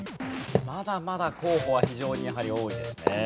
まだまだ候補は非常にやはり多いですね。